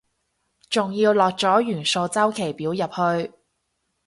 仲要落咗元素週期表入去